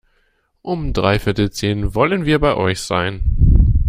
Um dreiviertel zehn wollen wir bei euch sein.